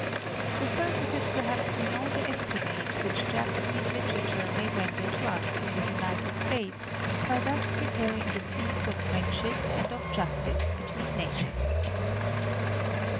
The service is perhaps beyond estimate which Japanese literature may render to us in the United States, by thus pre paring the seeds of friendship and of justice between nations.